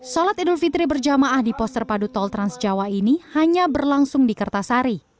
sholat idul fitri berjamaah di pos terpadu tol trans jawa ini hanya berlangsung di kertasari